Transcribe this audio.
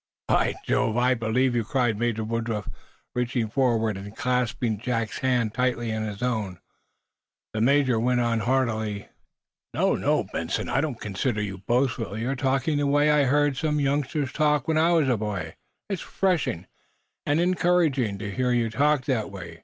"By Jove, I believe you!" cried Major Woodruff, reaching forward and clasping Jack's hand tightly in his own. The major went on heartily: "No, no, Benson, I don't consider you boastful. You're talking the way I heard some youngsters talk when I was a boy. It's refreshing and encouraging to hear you talk that way.